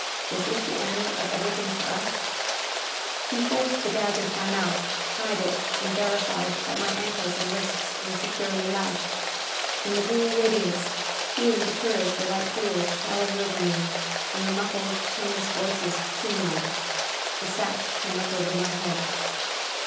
Was this the end of everything for us? He forced the gag into my mouth, tied it, and verified that my ankles and wrists were securely lashed. In the green radiance he and Gutierrez were like ghouls prowling over me, and their muffled toneless voices, tomblike. The sack came up over my head.